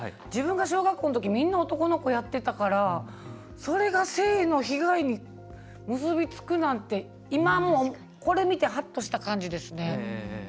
自分が小学校のときみんな男の子やってたからそれが性の被害に結び付くなんてこれ見てハッとした感じですね。